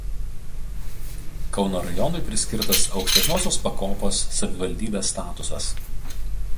Kauno rajonui priskirtas aukštesniosios pakopos savivaldybės statusas.